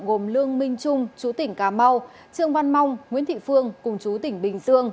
gồm lương minh trung chú tỉnh cà mau trương văn mong nguyễn thị phương cùng chú tỉnh bình dương